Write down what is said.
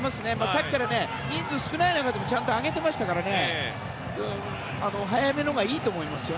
さっきから人数が少ない中でもちゃんと上げていますからね早めのほうがいいと思いますよ。